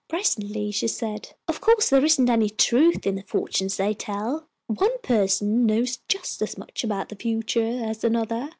Presently she said, "Of course there isn't any truth in the fortunes they tell. One person knows just as much about the future as another.